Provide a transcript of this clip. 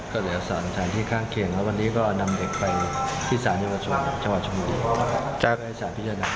ก็เหลือสอนที่ข้างเคียงแล้ววันนี้ก็นำเด็กไปที่สารเยี่ยมสวรรค์ชาวชมูดี